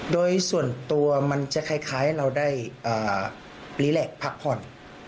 โดยส่วนตัวมันจะคล้ายเราได้รีแลกพักผ่อน